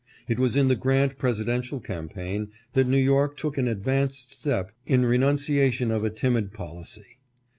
It was in the Grant presidential campaign that New York took an advanced step in the renunciation of a timid policy.